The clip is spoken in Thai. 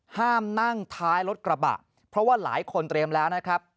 ห้ามนั่งท้ายรถกระบะเพราะว่าหลายคนเตรียมแล้วนะครับ